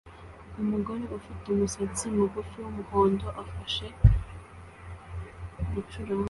Umugore ufite umusatsi mugufi wumuhondo afashe gucuranga